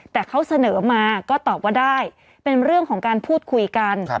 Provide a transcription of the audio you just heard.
แต่เขาเสนอมาก็ตอบว่าได้เป็นเรื่องของการพูดคุยกัน